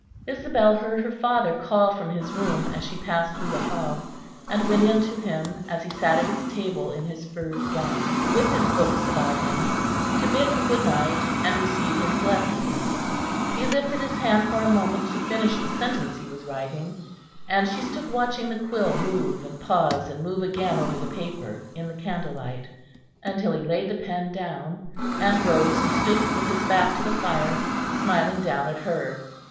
Isabel heard her father call from his room as she passed through the hall; and went in to him as he sat at his table in his furred gown, with his books about him, to bid him good night and receive his blessing. He lifted his hand for a moment to finish the sentence he was writing, and she stood watching the quill move and pause and move again over the paper, in the candlelight, until he laid the pen down, and rose and stood with his back to the fire, smiling down at her.